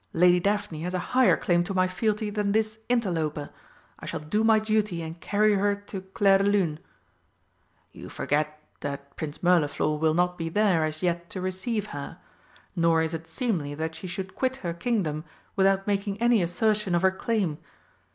"Lady Daphne has a higher claim to my fealty than this interloper. I shall do my duty and carry her to Clairdelune." "You forget that Prince Mirliflor will not be there as yet to receive her. Nor is it seemly that she should quit her Kingdom without making any assertion of her claim.